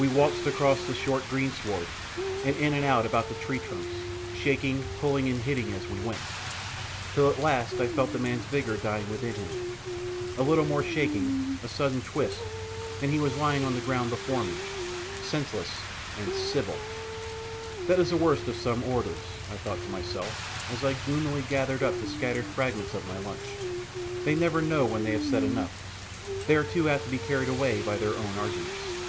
We waltzed across the short greensward, and in and about the tree trunks, shaking, pulling, and hitting as we went, till at last I felt the man's vigour dying within him; a little more shaking, a sudden twist, and he was lying on the ground before me, senseless and civil! That is the worst of some orators, I thought to myself, as I gloomily gathered up the scattered fragments of my lunch; they never know when they have said enough, and are too apt to be carried away by their own arguments.